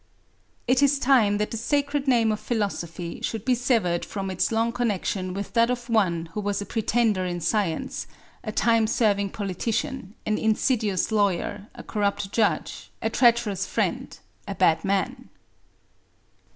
"It is time that the sacred name of philosophy should be severed from its long connection with that of one who was a pretender in science, a time serving politician, an insidious lawyer, a corrupt judge, a treacherous friend, a bad man."